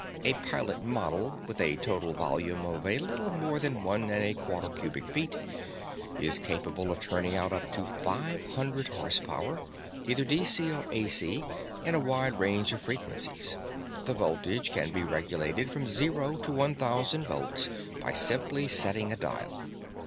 A pilot model, with a total volume of a little more than one and one quarter cubic feet, is capable of turning out up to five hundred horsepower, either DC or AC in a wide range of frequencies. The voltage can be regulated from zero to one thousand volts by simply setting a dial.